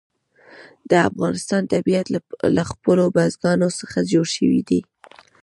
د افغانستان طبیعت له خپلو بزګانو څخه جوړ شوی دی.